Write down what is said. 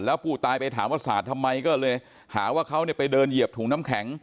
เดู๊มง่ายการบาปว่าพลมหารอกฏ่อนนะฮะ